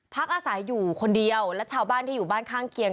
พักอาศัยอยู่คนเดียวและชาวบ้านที่อยู่บ้านข้างเคียง